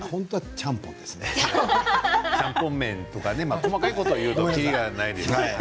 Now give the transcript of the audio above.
ちゃんぽん麺とか細かいことを言うときりがないけどね。